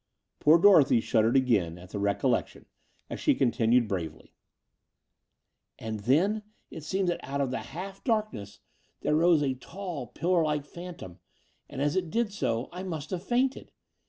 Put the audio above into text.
Poor Dorothy shuddered again at the recollec tion, as she concluded bravely: *'And then it seemed that out of the half dark 304 The Door of the Unreal ness there rose a tall, pillar like phantom : and, as it did so, I must have fainted.